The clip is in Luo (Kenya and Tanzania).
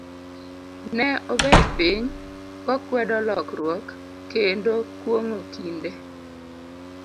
ne obet piny, kokwedo lokruok, kendo kuong'o kinde.